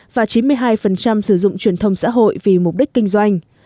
và chín mươi hai sử dụng truyền thông xã hội vì mục đích kinh doanh